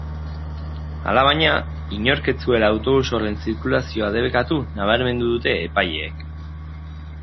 Alabaina, inork ez zuela autobus horren zirkulazioa debekatu nabarmendu dute epaileek.